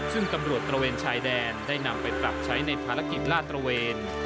ซึ่งตำรวจตระเวนชายแดนได้นำไปปรับใช้ในภารกิจลาดตระเวน